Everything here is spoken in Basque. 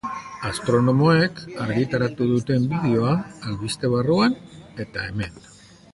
Astronomoek argitaratu duten bideoa, albiste barruan, eta hemen.